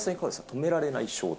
止められない衝動。